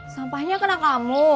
sampahnya kena kamu